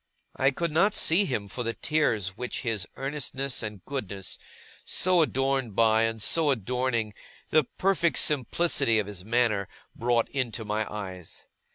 I could not see him for the tears which his earnestness and goodness, so adorned by, and so adorning, the perfect simplicity of his manner, brought into my eyes.